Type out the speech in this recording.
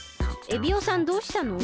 エビオさんどうしたの？